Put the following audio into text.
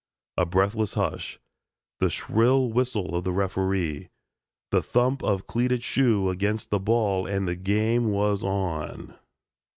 A breathless hush the shrill whistle of the referee the thump of cleated shoe against the ball and the game was on.